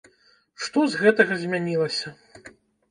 Што з гэтага змянілася?